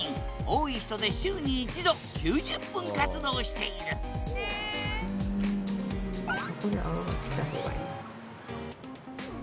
多い人で週に１度９０分活動しているへえ！